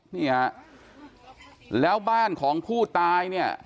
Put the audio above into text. นี่ฮะแล้วบ้านของผู้ตายเนี่ย